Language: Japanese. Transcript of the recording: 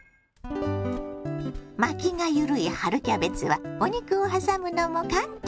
巻きが緩い春キャベツはお肉をはさむのも簡単。